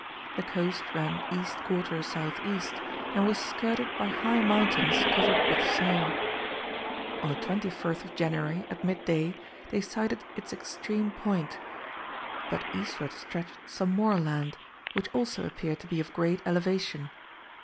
The coast ran east quarter south east, and was skirted by high mountains covered with snow. On the 24th of January at mid day, they sighted its extreme point, but eastward stretched some more land, which also appeared to be of great elevation.